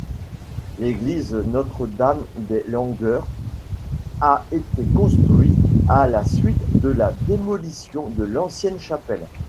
L'église Notre-Dame-des-Langueurs a été construite à la suite de la démolition de l'ancienne chapelle.